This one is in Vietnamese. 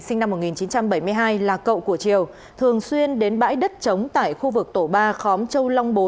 sinh năm một nghìn chín trăm bảy mươi hai là cậu của triều thường xuyên đến bãi đất chống tại khu vực tổ ba khóm châu long bốn